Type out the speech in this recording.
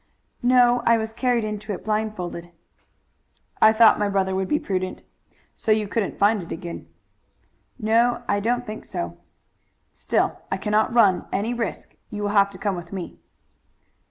"No; I was carried into it blindfolded." "I thought my brother would be prudent. So you couldn't find it again." "No, I don't think so." "Still I cannot run any risk. You will have to come with me."